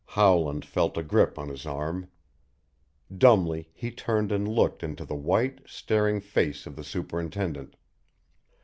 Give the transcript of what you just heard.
Howland felt a grip on his arm. Dumbly he turned and looked into the white, staring face of the superintendent.